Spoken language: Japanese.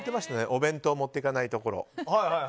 お弁当持っていかないところ。